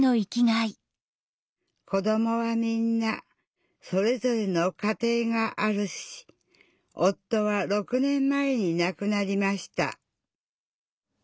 子どもはみんなそれぞれの家庭があるし夫は６年前に亡くなりました。